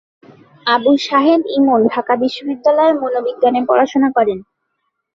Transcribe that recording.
আবু শাহেদ ইমন ঢাকা বিশ্ববিদ্যালয়ে মনোবিজ্ঞানে পড়াশোনা করেন।